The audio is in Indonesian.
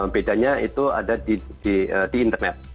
bedanya itu ada di internet